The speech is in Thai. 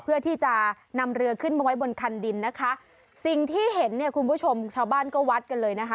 เพื่อที่จะนำเรือขึ้นมาไว้บนคันดินนะคะสิ่งที่เห็นเนี่ยคุณผู้ชมชาวบ้านก็วัดกันเลยนะคะ